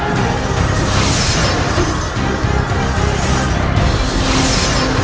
rai itu kapal